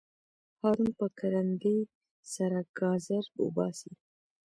هارون په کرندي سره ګازر وباسي.